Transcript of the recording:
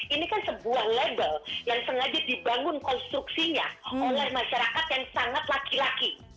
ini kan sebuah label yang sengaja dibangun konstruksinya oleh masyarakat yang sangat laki laki